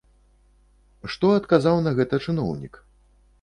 Што адказаў на гэта чыноўнік?